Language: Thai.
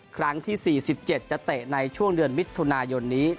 ครั้งที่๔๗จะเตะในช่วงเดือนมิถุนายนนี้